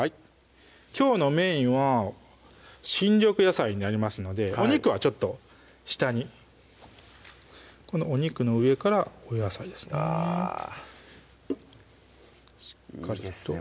きょうのメインは新緑野菜になりますのでお肉はちょっと下にこのお肉の上からお野菜ですねいいですね